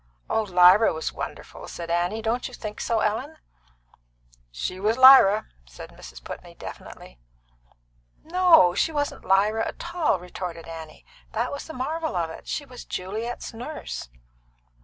"Oh, Lyra was wonderful!" said Annie. "Don't you think so, Ellen?" "She was Lyra," said Mrs. Putney definitely. "No; she wasn't Lyra at all!" retorted Annie. "That was the marvel of it. She was Juliet's nurse."